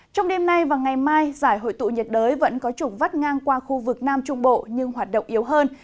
trong đêm nay và ngày mai giải hội tụ nhiệt đới vẫn có chủng vắt ngang qua khu vực nam trung bộ nhưng hoạt động yếu hơn